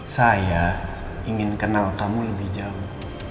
saya ingin kenal kamu lebih jauh